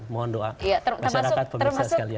mohon doa masyarakat pemirsa sekalian